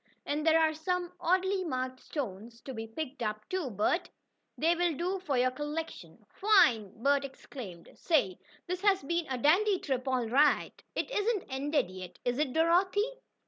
"And there are some oddly marked stones to be picked up, too, Bert. They will do for your collection." "Fine!" Bert exclaimed. "Say, this has been a dandy trip all right!" "It isn't ended yet, is it, Dorothy?"